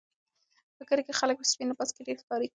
په کلي کې خلک په سپین لباس کې ډېر ښکاري.